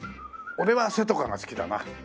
俺はせとかが好きだな。